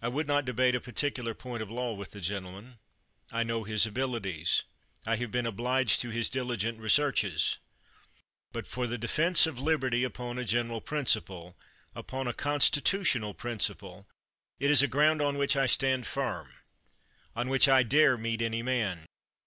I would not debate a particular point of law with the gentleman. I know his abilities. I have been obliged to his diligent researches. But, for the defense of liberty, upon a general prin ciple, upon a constitutional principle, it is a ground on which I stand firm — on which I dare meet any man.